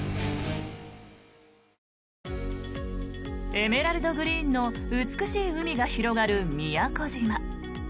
エメラルドグリーンの美しい海が広がる宮古島。